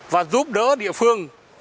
và giúp đỡ địa phương